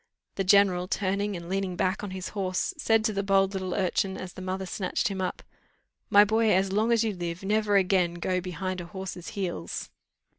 The general, turning and leaning back on his horse, said to the bold little urchin as the mother snatched him up, "My boy, as long as you live never again go behind a horse's heels."